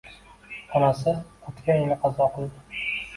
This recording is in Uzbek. Onasi o‘tgan yili qazo qildi